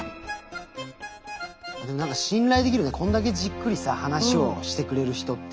何か信頼できるねこんだけじっくりさ話をしてくれる人って。